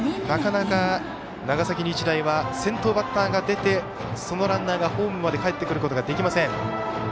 なかなか長崎日大は先頭バッターが出てそのランナーがホームまでかえってくることができません。